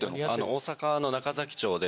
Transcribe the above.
大阪の中崎町で。